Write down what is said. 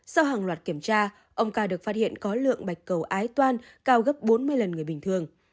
sau hàng loạt kiểm tra ông ca được phát hiện có lượng bạch cầu ái toan cao gấp bốn mươi lần người bình thường